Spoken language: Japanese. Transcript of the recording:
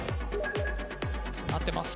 合ってます。